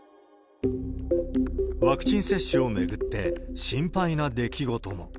ワクチン接種を巡って、心配な出来事も。